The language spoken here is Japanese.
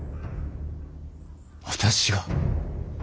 私が。